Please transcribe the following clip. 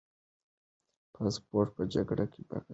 پاسپورت په جګري بکس کې پروت دی.